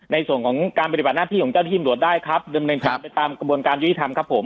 ในส่วนของการปฏิบัติหน้าที่ของเจ้าทีมรวดได้ครับไปตามกระบวนการยุทิศทำครับผม